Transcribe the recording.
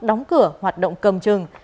đóng cửa hoạt động cầm trừng